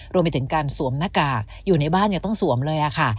รวมไปถึงการสวมหน้ากากอยู่ในบ้านยังต้องสวมเลยค่ะ